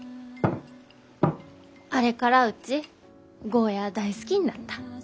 あれからうちゴーヤー大好きになった。